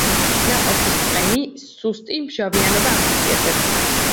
ნაყოფის წვენს სუსტი მჟავიანობა ახასიათებს.